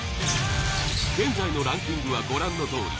現在のランキングはご覧のとおり。